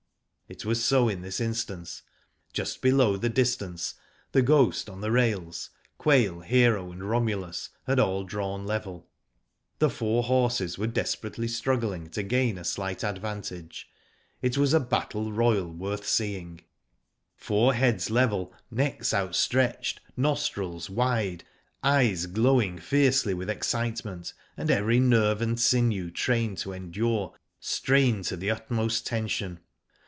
It was so in this instance. Just below the dis tance The Ghost, on the rails. Quail, Hero, and Romulus, had all drawn level. The four horses were desperately struggling to Digitized by Google 270 WHO DID ITt gain a slight advantage. It was a battle royal worth seeing. Four heads level, necks outstretched, nostrils wide, eyes glowing fiercely with excitement, and every nerve and sinew trained to endure strained to the utmost tension.